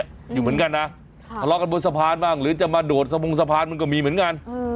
อยู่เหมือนกันนะทะเลาะกันบนสะพานบ้างหรือจะมาโดดสะบงสะพานมันก็มีเหมือนกัน